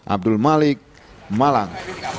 abdul malik malang